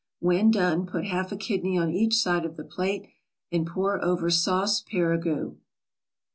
When done, put half a kidney on each side of the plate and pour over sauce Perigueux.